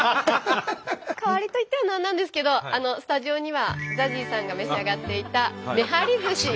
代わりと言っては何なんですけどスタジオにはＺＡＺＹさんが召し上がっていためはりずし。